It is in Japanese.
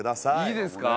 いいですか？